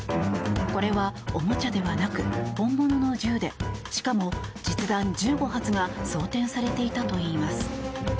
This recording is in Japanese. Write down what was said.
これはおもちゃではなく本物の銃でしかも実弾１５発が装てんされていたといいます。